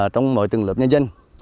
trong mỗi từng lớp nhân dân